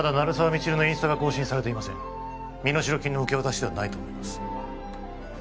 未知留のインスタが更新されていません身代金の受け渡しではないと思います